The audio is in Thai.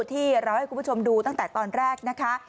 ที่เราให้คุณผู้ชมดูตั้งแต่ตอนแรกนะคะ